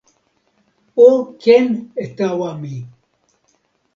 o ken e tawa mi!